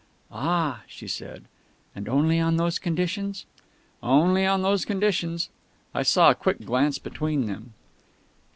"Ah!" she said.... "And only on those conditions?" "Only on those conditions." I saw a quick glance between them.